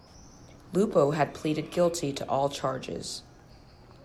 Lupo had pleaded guilty to all charges.